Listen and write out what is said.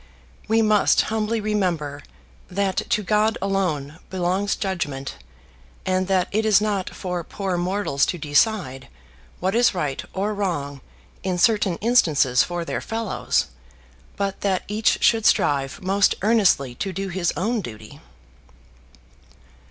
We must humbly remember that to God alone belongs judgment, and that it is not for poor mortals to decide what is right or wrong in certain instances for their fellows, but that each should strive most earnestly to do his own duty.